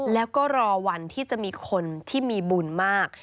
แล้วก็รอวันที่จะมีคนที่มีบุญมาก